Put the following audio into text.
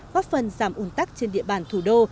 góp phần giảm ủn tắc trên địa bàn thủ đô